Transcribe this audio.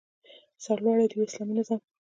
سرلوړی دې وي اسلامي نظام؟